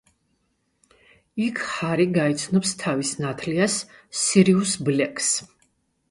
იქ ჰარი გაიცნობს თავის ნათლიას, სირიუს ბლეკს.